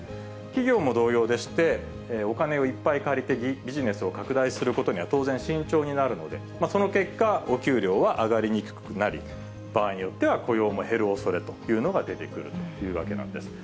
企業も同様でして、お金をいっぱい借りてビジネスを拡大することには当然慎重になるので、その結果、お給料は上がりにくくなり、場合によっては雇用も減るおそれというのが出てくるというわけなんです。